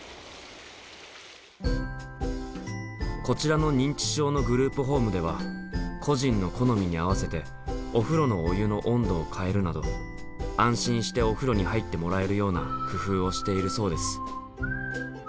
こちらの認知症のグループホームでは個人の好みに合わせてお風呂のお湯の温度を変えるなど安心してお風呂に入ってもらえるような工夫をしているそうです。